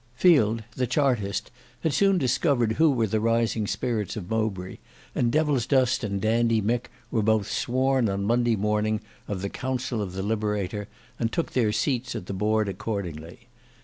Field the Chartist had soon discovered who were the rising spirits of Mowbray, and Devilsdust and Dandy Mick were both sworn on Monday morning of the council of the Liberator, and took their seats at the board accordingly.